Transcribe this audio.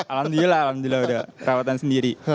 alhamdulillah udah perawatan sendiri